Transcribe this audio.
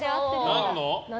何の？